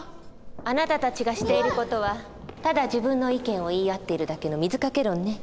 あなたたちがしている事はただ自分の意見を言い合っているだけの水掛け論ね。